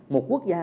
một quốc gia